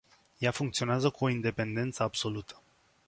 Ea funcționează cu o independență absolută.